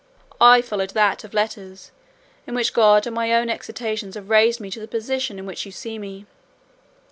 I followed that of letters, in which God and my own exertions have raised me to the position in which you see me.